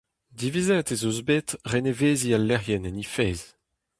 Divizet ez eus bet reneveziñ al lec'hienn en he fezh.